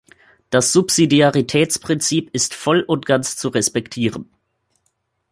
Das Subsidiaritätsprinzip ist voll und ganz zu respektieren.